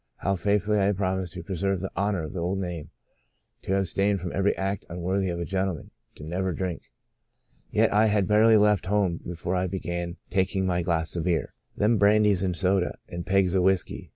How faithfully I promised to preserve the honour of the old name, to ab stain from every act unworthy of a gentle man, to never drink ! Yet I had barely left home before I began taking my glass of beer, 142 The Blossoming Desert then brandies and soda and pegs of whiskey.